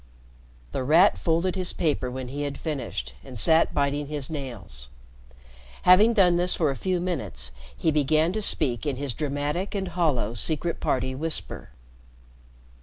The Rat folded his paper when he had finished, and sat biting his nails. Having done this for a few minutes, he began to speak in his dramatic and hollow Secret Party whisper.